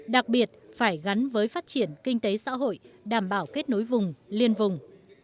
đặc biệt phải gắn với phát triển kinh tế xã hội đảm bảo kết nối vùng liên vùng